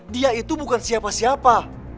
dia itu bukan siapa siapa